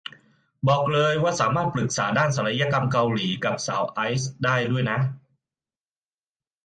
บอกเลยว่าสามารถปรึกษาด้านศัลยกรรมเกาหลีกับสาวไอซ์ได้ด้วยนะ